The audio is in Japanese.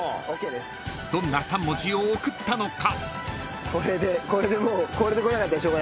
［どんな３文字を送ったのか？］